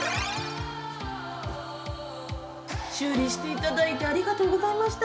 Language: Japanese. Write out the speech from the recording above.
修理していただいてありがとうございました。